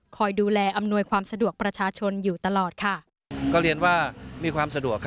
คอยดูแลอำนวยความสะดวกประชาชนอยู่ตลอดค่ะ